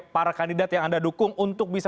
para kandidat yang anda dukung untuk bisa